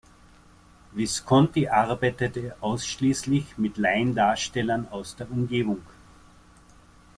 Visconti arbeitete ausschließlich mit Laiendarstellern aus der Umgebung.